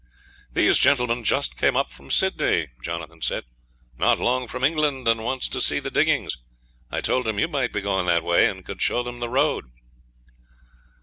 'These gentlemen's just come up from Sydney,' he said, 'not long from England, and wants to see the diggings. I told 'em you might be going that way, and could show 'em the road.'